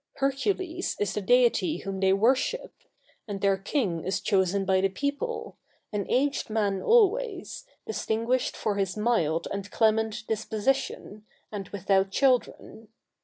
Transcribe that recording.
Hercules is the deity whom they worship; and their king is chosen by the people, an aged man always, distinguished for his mild and clement disposition, and without children.